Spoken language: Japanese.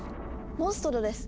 モンストロです。